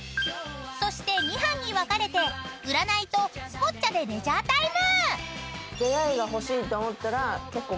［そして２班に分かれて占いとスポッチャでレジャータイム！］